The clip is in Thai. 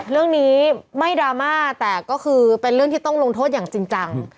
เรื่องนี้ไม่ดราม่าแต่ก็คือเป็นเรื่องที่ต้องลงโทษอย่างจริงจัง